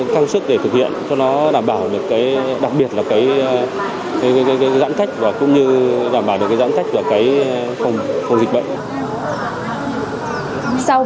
căng sức để thực hiện cho nó đảm bảo được cái đặc biệt là cái giãn cách và cũng như đảm bảo được cái giãn cách là cái phòng dịch bệnh